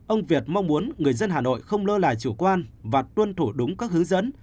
ông việt mong muốn người dân hà nội không lơ là chủ quan và tuân thủ đúng các hướng dẫn